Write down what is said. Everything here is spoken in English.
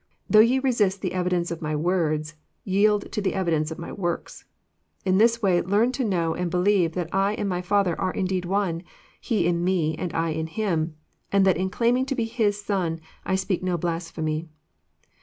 Though ye resist the evidence of my words, yield to the evidence of my works. In this way learn to know and believe that I and my Father are indeed one. He in Me, and I in Him, and that in claiming to be His 3on I speak no blas phemy."